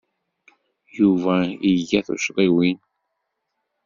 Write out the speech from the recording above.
Yuba iga tuccḍiwin.